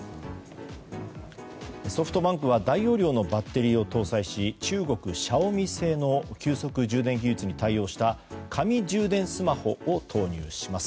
ソフトバンクは大容量のバッテリーを搭載し中国シャオミ製の急速充電技術に対応した神ジューデンスマホを投入します。